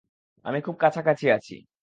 আমি খুব কাছাকাছি আছি।